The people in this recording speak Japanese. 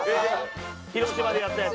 広島でやったやつ。